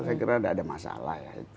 saya kira tidak ada masalah ya